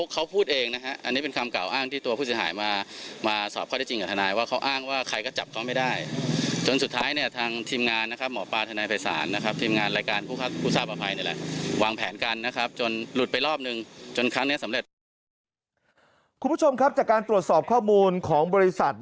คุณผู้ชมครับจากการตรวจสอบข้อมูลของบริษัท